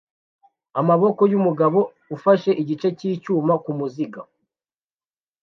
Amaboko yumugabo ufashe igice cyicyuma kumuziga